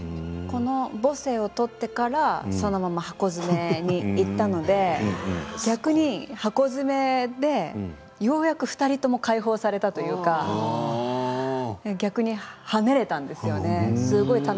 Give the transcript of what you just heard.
「母性」を撮ってからそのまま「ハコヅメ」にいったので逆に「ハコヅメ」でようやく２人とも解放されたというか逆に跳ねれたんですよね。